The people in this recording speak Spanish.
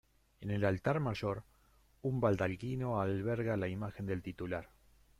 En el altar mayor, un baldaquino alberga la imagen del titular.